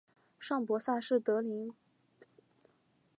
上伯萨是德国图林根州的一个市镇。